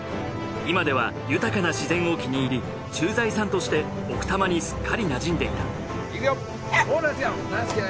今では豊かな自然を気に入り駐在さんとして奥多摩にすっかりなじんでいたいくよ！